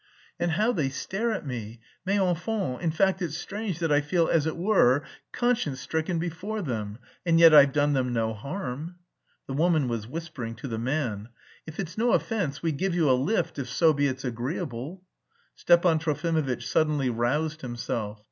"And how they stare at me... mais enfin. In fact, it's strange that I feel, as it were, conscience stricken before them, and yet I've done them no harm." The woman was whispering to the man. "If it's no offence, we'd give you a lift if so be it's agreeable." Stepan Trofimovitch suddenly roused himself.